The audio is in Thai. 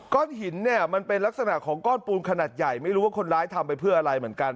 หินเนี่ยมันเป็นลักษณะของก้อนปูนขนาดใหญ่ไม่รู้ว่าคนร้ายทำไปเพื่ออะไรเหมือนกัน